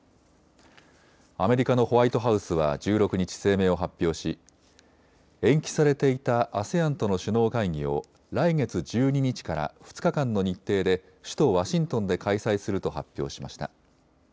アメリカのホワイトハウスは１６日、声明を発表し延期されていたＡＳＥＡＮとの首脳会議を来月１２日から２日間の日程で首都ワシントンで開催すると発表しました。